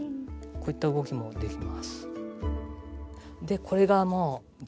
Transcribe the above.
こういった動きもできます。